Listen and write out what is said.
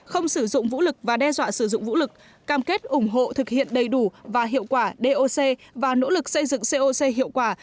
không sử dụng vũ lực và đe dọa sử dụng vũ lực cam kết ủng hộ thực hiện đầy đủ và hiệu quả doc và nỗ lực xây dựng coc hiệu quả